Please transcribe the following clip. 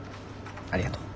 ありがとう。